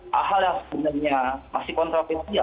hal hal yang sebenarnya masih kontroversial